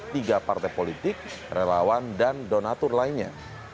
tiga partai politik relawan dan donatur lainnya